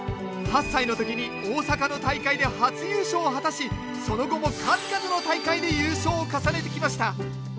８歳の時に大阪の大会で初優勝を果たしその後も数々の大会で優勝を重ねてきました。